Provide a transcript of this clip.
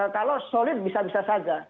kalau solid bisa bisa saja